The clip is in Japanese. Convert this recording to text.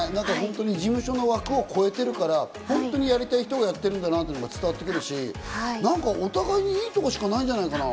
事務所の枠を越えてるから、本当にやりたい人がやってるんだなっていうのが伝わってくるし、お互いにいいところしかないんじゃないかな。